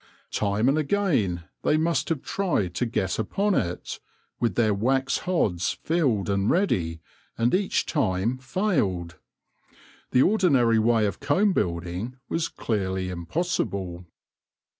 Time and again they must have tried to get upon it, with their wax hods filled and ready, and each time failed : the ordinary way of comb building was clearly im possible.